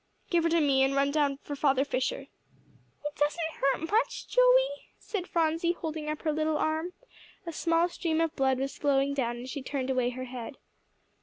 "Give her to me, and run down for Father Fisher." "It doesn't hurt much, Joey," said Phronsie, holding up her little arm. A small stream of blood was flowing down, and she turned away her head.